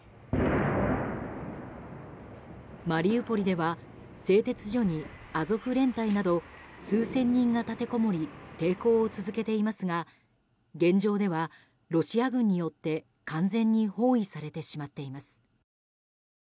マリウポリでは製鉄所にアゾフ連隊など数千人が立てこもり抵抗を続けていますが現状ではロシア軍によって完全に包囲されてしまっています。